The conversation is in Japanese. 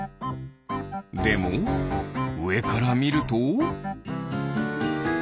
でもうえからみると？